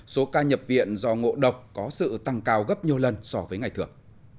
số ca nhập viện do ngộ độc có sự tăng cao gấp nhiều lần so với ngày thường